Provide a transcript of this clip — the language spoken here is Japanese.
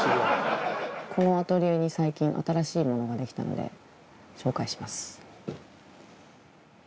このアトリエに最近新しいものができたので紹介します。